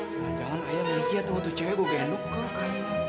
jangan jangan kayaknya begini ya tuh waktu cewek gue kayak nuker kayaknya